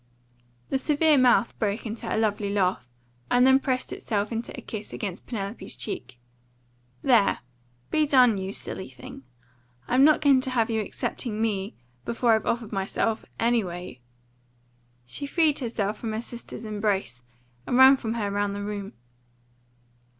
The severe mouth broke into a lovely laugh, and then pressed itself in a kiss against Penelope's cheek. "There! Be done, you silly thing! I'm not going to have you accepting ME before I've offered myself, ANYWAY." She freed herself from her sister's embrace, and ran from her round the room.